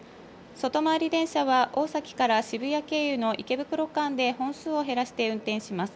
外回り電車は、大崎から渋谷経由の池袋間で本数を減らして運転します。